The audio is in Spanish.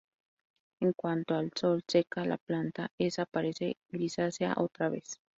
En cuanto el sol seca la planta, esa parece grisácea otra vez.